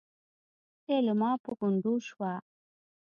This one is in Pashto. ليلما په ګونډو شوه.